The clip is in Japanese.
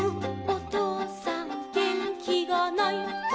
おとうさんげんきがない」